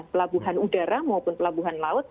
pelabuhan udara maupun pelabuhan laut